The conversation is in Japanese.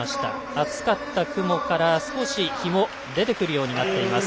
厚かった雲から、少し日も出てくるようになっています。